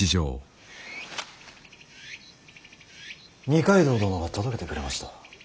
二階堂殿が届けてくれました。